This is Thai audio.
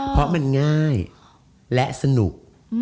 เพราะมันง่ายและสนุก